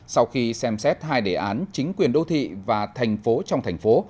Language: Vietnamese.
sau khi xem xét hai đề án chính quyền đô thị và thành phố trong thành phố